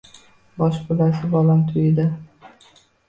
Bosh bulasiz bolam tuyida